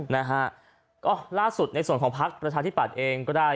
นะฮะก็ล่าสุดในส่วนของพักประชาธิปัตย์เองก็ได้